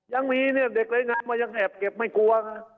ยังมีเนี่ยเด็กเล็กน้ำมันยังแอบเก็บไม่กลัว